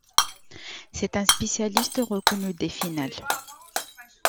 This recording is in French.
C'est un spécialiste reconnu des finales.